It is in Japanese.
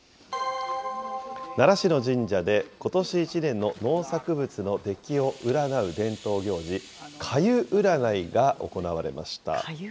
奈良市の神社で、ことし１年の農作物の出来を占う伝統行事、粥占いが行われました。